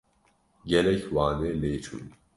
Gelek wane lê çûn.